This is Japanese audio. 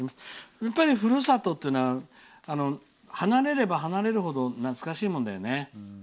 やっぱり、ふるさとというのは離れれば離れるほど懐かしいものだよね。